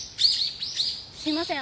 すいません